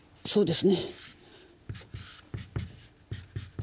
そうですね。